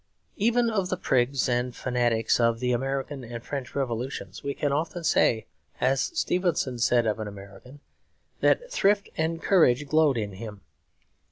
Even of the prigs and fanatics of the American and French Revolutions we can often say, as Stevenson said of an American, that 'thrift and courage glowed in him.'